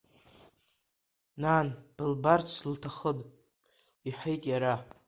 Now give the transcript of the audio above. Нан былбарц лҭахын, — иҳәеит иара.